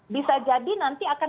bisa jadi nanti akan